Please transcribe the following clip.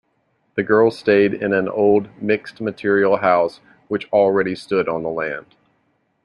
The girls stayed in an old mixed-material house which already stood on the land.